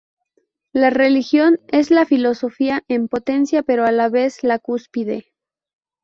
La religión es la filosofía en potencia, pero a la vez la cúspide.